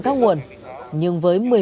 các nguồn nhưng với